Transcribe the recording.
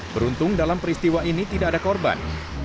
beruntung dalam peristiwa ini tidak ada korban